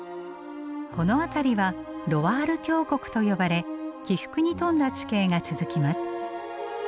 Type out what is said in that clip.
この辺りはロワール峡谷と呼ばれ起伏に富んだ地形が続きます。